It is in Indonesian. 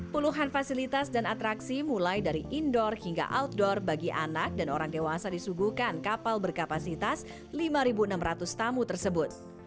puluhan fasilitas dan atraksi mulai dari indoor hingga outdoor bagi anak dan orang dewasa disuguhkan kapal berkapasitas lima enam ratus tamu tersebut